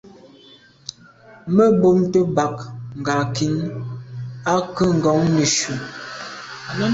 Me bumte bag ngankine à nke ngon neshu.